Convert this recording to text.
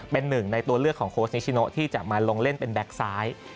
เป็นหนึ่งในตัวเลือกของโค้ชนิชิโนที่จะมาลงเล่นเป็นแก๊กซ้าย